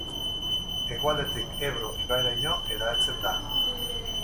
Hegoaldetik Ebro ibairaino hedatzen da.